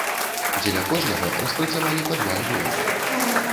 Дзеля кожнага распрацавалі па два альбомы.